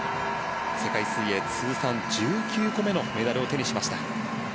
世界水泳通算１９個目のメダルを手にしました。